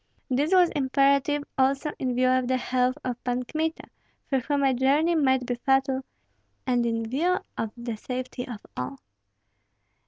This was imperative also in view of the health of Pan Kmita, for whom a journey might be fatal, and in view of the safety of all.